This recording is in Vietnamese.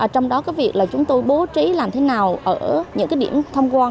trong đó việc chúng tôi bố trí làm thế nào ở những điểm tham quan